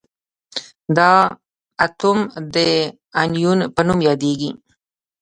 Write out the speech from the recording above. دا اتوم د انیون په نوم یادیږي.